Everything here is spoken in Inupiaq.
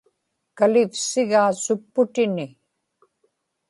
kalivsigaa supputini